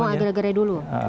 tepung agar agarnya dulu